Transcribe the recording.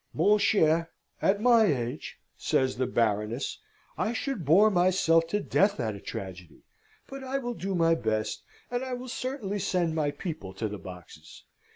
"Mon cher, at my age," says the Baroness, "I should bore myself to death at a tragedy: but I will do my best; and I will certainly send my people to the boxes.